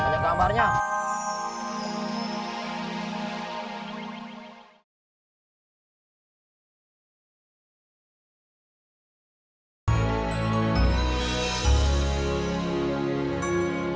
nih banyak gambarnya